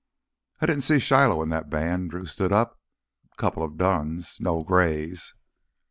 "I didn't see Shiloh in that band." Drew stood up. "Couple of duns ... no grays."